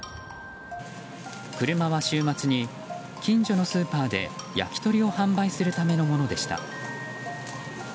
車は週末に近所のスーパーで焼き鳥を販売するためのものでした。